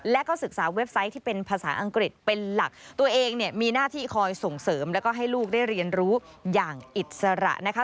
และก็ศึกษาเว็บไซต์ที่เป็นภาษาอังกฤษเป็นหลัก